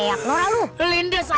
linda saya kok terus sampai sukses